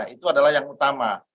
itu adalah yang utama